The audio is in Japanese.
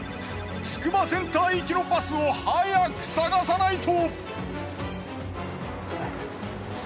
つくばセンター行きのバスを早く探さないと！